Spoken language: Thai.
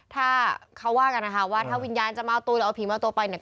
ถ้าเขาว่ากันนะคะว่าถ้าวิญญาณจะมาเอาตัวหรือเอาผีมาเอาตัวไปเนี่ย